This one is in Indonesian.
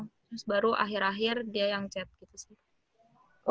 terus baru akhir akhir dia yang chat gitu sih